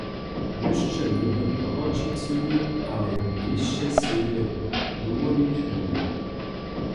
Wy sće nowe nawoči chcyli, ale njejsće sej je dowolić móhli.